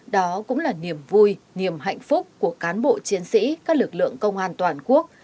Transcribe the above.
đó cũng là niềm vui niềm hạnh phúc của cán bộ chiến sĩ các lực lượng công an toàn quốc